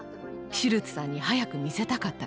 シュルツさんに早く見せたかったから。